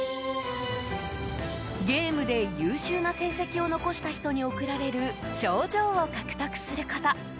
ゲームで優秀な成績を残した人に贈られる賞状を獲得すること。